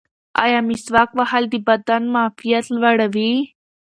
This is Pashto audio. ایا مسواک وهل د بدن معافیت لوړوي؟